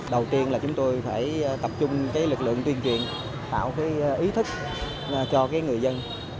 đầu tiên là chúng tôi phải tập trung cái lực lượng tuyên truyền tạo cái ý thức cho cái người dân